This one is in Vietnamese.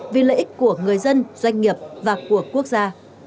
vì lợi ích của người dân doanh nghiệp và của quốc gia